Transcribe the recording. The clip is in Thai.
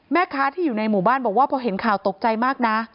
แม่ค้าที่อยู่ในหมู่บ้านบอกว่าพอเห็นข่าวตกใจมากนะ